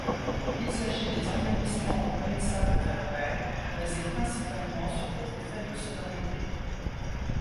Il s'agit des embellissements reconnaissables à l'oreille, basé principalement sur des effets de sonorités.